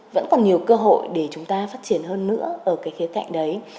vẫn còn nhiều cơ hội để chúng ta phát triển hơn nữa ở cái khía cạnh đấy